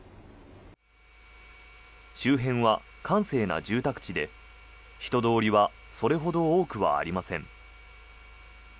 周辺は閑静な住宅地で人通りはそれほど多くはありません。